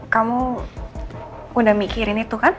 kamu udah mikirin itu kan